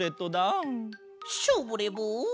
ショボレボン。